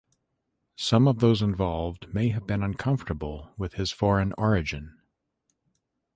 Some of those involved may have been uncomfortable with his foreign origin.